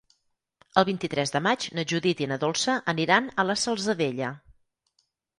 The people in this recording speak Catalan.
El vint-i-tres de maig na Judit i na Dolça aniran a la Salzadella.